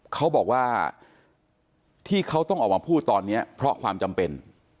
เขาบอกว่าที่เขาต้องออกมาพูดตอนนี้เพราะความจำเป็น